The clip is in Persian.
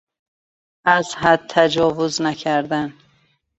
از حد تجاوز نکردن